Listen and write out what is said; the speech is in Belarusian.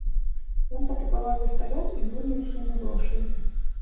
Ён патрабаваў верталёт і буйную суму грошай.